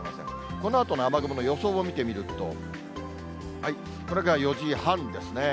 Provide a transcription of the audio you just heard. このあとの雨雲の予想を見てみると、これが４時半ですね。